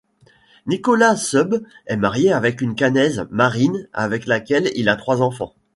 Nicolas Seube est marié avec une Caennaise, Marine, avec laquelle il a trois enfants.